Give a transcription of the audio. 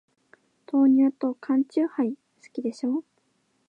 豆乳と缶チューハイ、好きでしょ。